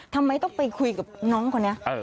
ทำไมต้องไปคุยกับน้องคนนี้